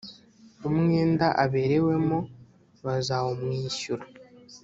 umwenda aberewemo bazawumwishyura